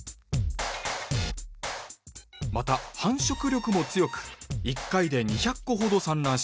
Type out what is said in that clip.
また繁殖力も強く一回で２００個ほど産卵します。